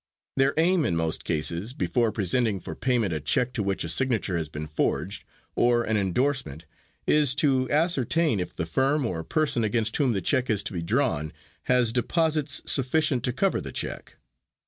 Their aim in most cases, before presenting for payment a check to which a signature has been forged, or an endorsement, is to ascertain if the firm or person against whom the check is to be drawn has deposits sufficient to cover the check.